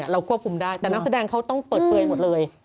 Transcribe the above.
เราควบคุมได้แต่นักแสดงต้องเปิดเกรยาอันบ่อย